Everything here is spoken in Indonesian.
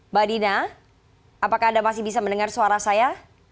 mbak dina apakah anda masih bisa mendengar suara saya